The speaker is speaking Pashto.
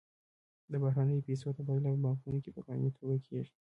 د بهرنیو پیسو تبادله په بانکونو کې په قانوني توګه کیږي.